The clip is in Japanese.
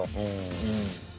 うん。